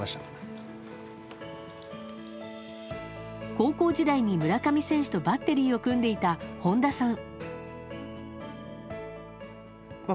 高校時代に村上選手とバッテリーを組んでいた本田さん。